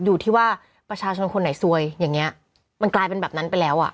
อยู่ที่ว่าประชาชนคนไหนซวยอย่างเงี้ยมันกลายเป็นแบบนั้นไปแล้วอ่ะ